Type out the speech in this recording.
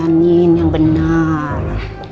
layanin yang benar